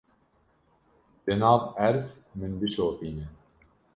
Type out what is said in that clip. Li nav erd min bişopîne.